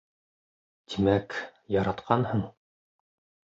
Тимәк, яратҡанһың.